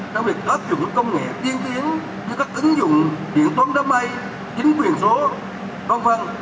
đã việc tác dụng công nghệ tiên tiến như các ứng dụng điện tốn đám bay chính quyền số công văn